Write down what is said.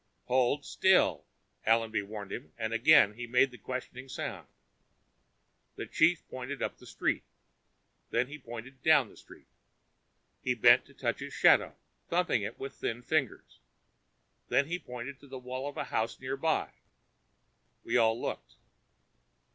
"Hold still," Allenby warned him, and again he made the questioning sound. The chief pointed up the street. Then he pointed down the street. He bent to touch his shadow, thumping it with thin fingers. Then he pointed at the wall of a house nearby. We all looked.